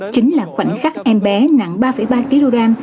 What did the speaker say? chính là khoảnh khắc em bé nặng ba ba kg